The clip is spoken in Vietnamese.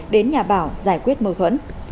đến nhà bảo giải quyết mâu thuẫn